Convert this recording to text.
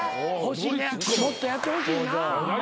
もっとやってほしいな。